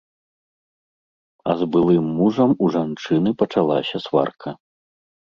А з былым мужам у жанчыны пачалася сварка.